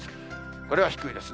これは低いですね。